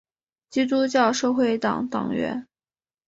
基督教社会党党员。